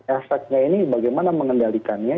efeknya ini bagaimana mengendalikannya